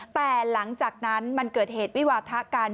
แต่หลังจากนั้นมันเกิดเหตุวิวาทะกัน